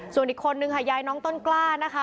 ส่วนอีกคนนึงค่ะยายน้องต้นกล้านะคะ